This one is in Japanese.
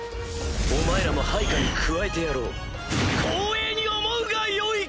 お前らも配下に加えてやろう光栄に思うがよい！